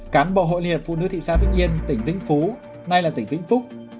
cán bộ hội liên phụ nữ thị xã vĩnh yên tỉnh vĩnh phú nay là tỉnh vĩnh phúc